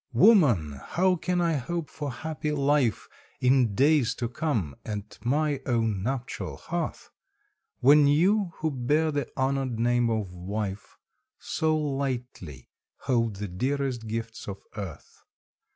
Woman, how can I hope for happy life In days to come at my own nuptial hearth, When you who bear the honoured name of wife So lightly hold the dearest gifts of earth?